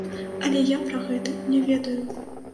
Але я пра гэта не ведаю!